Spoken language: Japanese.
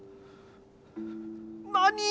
何！？